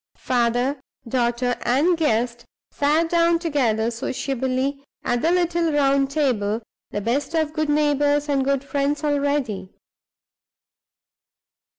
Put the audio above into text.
Father, daughter, and guest sat down together sociably at the little round table, the best of good neighbors and good friends already.